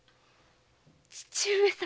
義父上様。